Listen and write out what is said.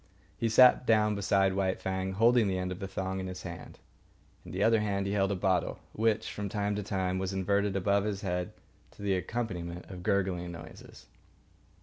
He sat down beside White Fang, holding the end of the thong in his hand. In the other hand he held a bottle, which, from time to time, was inverted above his head to the accompaniment of gurgling noises.